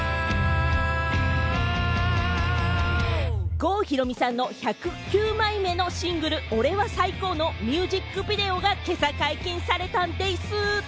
郷ひろみさんの１０９枚目のシングル『俺は最高！！！』のミュージックビデオが今朝解禁されたんでぃす。